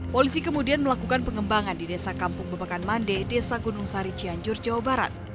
polisi kemudian melakukan pengembangan di desa kampung babakan mande desa gunung sarician jawa barat